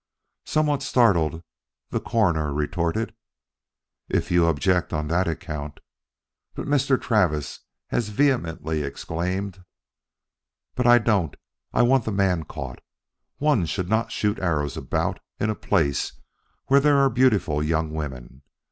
Somewhat startled, the Coroner retorted: "If you object on that account " But Mr. Travis as vehemently exclaimed: "But I don't! I want the man caught. One should not shoot arrows about in a place where there are beautiful young women.